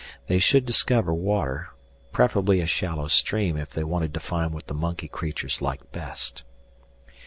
They should discover water, preferably a shallow stream, if they wanted to find what the monkey creatures liked best.